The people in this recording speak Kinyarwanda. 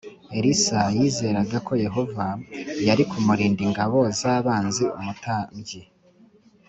Elisa yizeraga ko Yehova yari kumurinda ingabo z abanzi Umutambyi